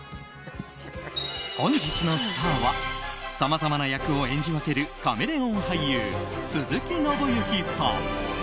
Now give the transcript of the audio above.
本日のスターはさまざまな役を演じ分けるカメレオン俳優、鈴木伸之さん。